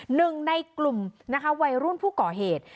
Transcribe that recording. หนึ่งในกลุ่มนะคะวัยรุ่นผู้ก่อเหตุ